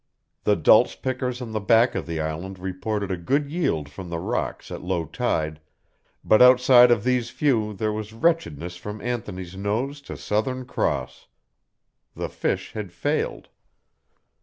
The dulce pickers on the back of the island reported a good yield from the rocks at low tide, but outside of these few there was wretchedness from Anthony's Nose to Southern Cross. The fish had failed.